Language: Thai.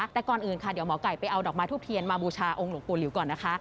แต่ก่อนอื่นค่ะเดี๋ยวหมอไก่ไปเอาดอกไม้ทูบเทียนมาบูชาองค์หลวงปู่หลิวก่อนนะคะ